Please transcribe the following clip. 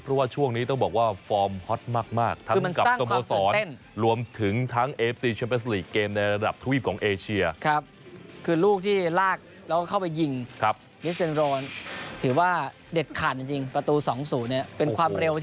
เพราะว่าช่วงนี้ต้องบอกว่าฟอร์มฮอตมาก